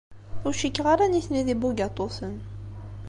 Ur cikkeɣ ara nitni d ibugaṭuten.